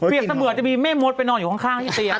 เสมือนจะมีแม่มดไปนอนอยู่ข้างที่เตียง